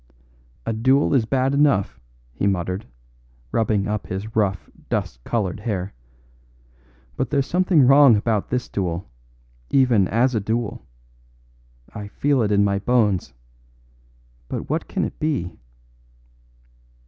"A duel is bad enough," he muttered, rubbing up his rough dust coloured hair, "but there's something wrong about this duel, even as a duel. I feel it in my bones. But what can it be?"